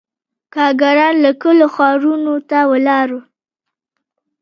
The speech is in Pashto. • کارګران له کلیو ښارونو ته ولاړل.